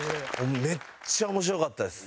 めっちゃ面白かったです。